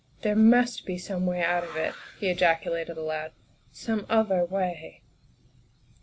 " There must be some way out of it," he ejaculated aloud, " some other way."